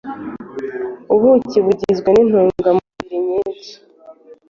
ubuki bugizwe n’intungamubiri nyinshi,